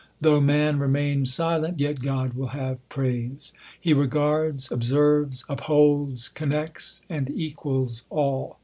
Though man remain silent, yet God will have praise. He regards, observes; upholds, connects, and equals all.